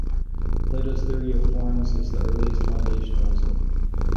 Plato's theory of Forms is the earliest foundationalism.